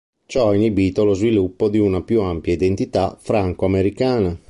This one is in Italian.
Ciò ha inibito lo sviluppo di una più ampia identità franco-americana.